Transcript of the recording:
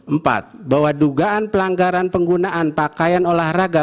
empat bahwa dugaan pelanggaran penggunaan pakaian olahraga